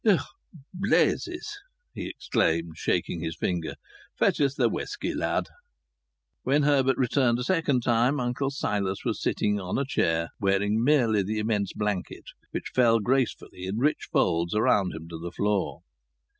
"Blazes!" he exclaimed, shaking his finger. "Fetch us the whisky, lad." When Herbert returned a second time, Uncle Silas was sitting on a chair wearing merely the immense blanket, which fell gracefully in rich folds around him to the floor.